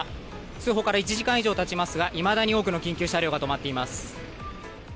通報から１時間以上経ちますがいまだに多くの緊急車両が止まっています。